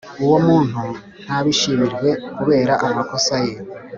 uwomuntu ntabishimirwe kubera amakosa ye